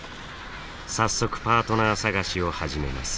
早速パートナー探しを始めます。